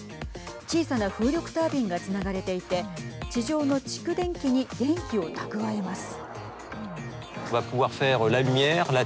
小さな風力タービンがつながれていて地上の蓄電機に電気を蓄えます。